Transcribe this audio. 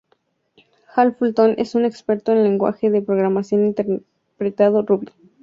Hal Fulton es un experto en lenguaje de programación interpretado Ruby.